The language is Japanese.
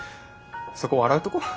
そこ笑うとこ？